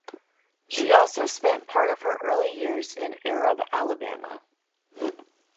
She also spent part of her early years in Arab, Alabama.